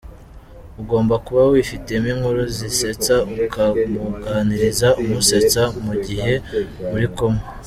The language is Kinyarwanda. Ugomba kuba wifitemo inkuru zisetsa ukamuganiriza umusetsa mu gihe muri kumwe;.